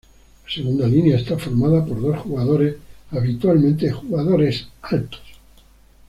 La segunda línea está formada por dos jugadores, habitualmente jugadores altos.